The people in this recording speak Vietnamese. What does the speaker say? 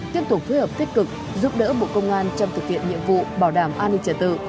tiếp tục phối hợp tích cực giúp đỡ bộ công an trong thực hiện nhiệm vụ bảo đảm an ninh trả tự